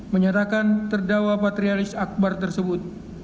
menyatakan terdakwa patrialis akbar tersebut